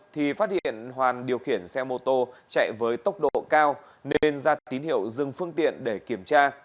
thì phát hiện hoàn điều khiển xe mô tô chạy với tốc độ cao nên ra tín hiệu dừng phương tiện để kiểm tra